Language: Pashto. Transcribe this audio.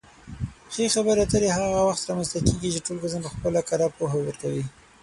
ښې خبرې اترې هغه وخت رامنځته کېږي چې ټول کسان پخپله کره پوهه ورکوي.